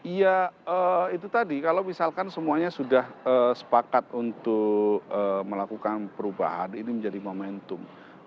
iya itu tadi kalau misalkan semuanya sudah sepakat untuk melakukan perubahan ini menjadi momentum